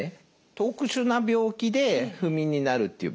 特殊な病気で不眠になるっていう場合。